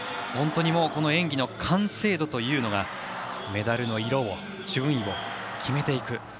本当に演技の完成度というのがメダルの色を順位を決めていく。